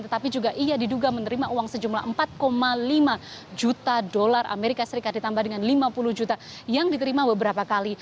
tetapi juga ia diduga menerima uang sejumlah empat lima juta dolar amerika serikat ditambah dengan lima puluh juta yang diterima beberapa kali